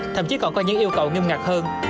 thậm chí còn có những yêu cầu nghiêm ngặt hơn